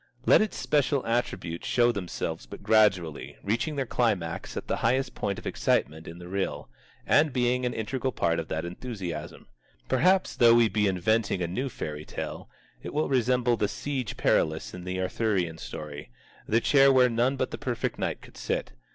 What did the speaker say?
Let its special attributes show themselves but gradually, reaching their climax at the highest point of excitement in the reel, and being an integral part of that enthusiasm. Perhaps, though we be inventing a new fairy tale, it will resemble the Siege Perilous in the Arthurian story, the chair where none but the perfect knight could sit.